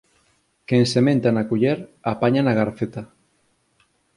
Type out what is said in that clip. Quen sementa na culler apaña na garfeta.